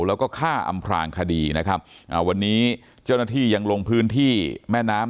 แล้วก็ฆ่าอำพลางคดีนะครับอ่าวันนี้เจ้าหน้าที่ยังลงพื้นที่แม่น้ำ